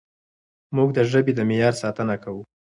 موږ د ژبې د معیار ساتنه کوو.